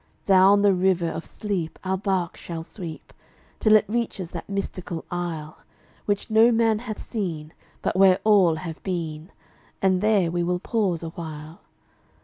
Down the river of sleep our barque shall sweep, Till it reaches that mystical Isle Which no man hath seen, but where all have been, And there we will pause awhile.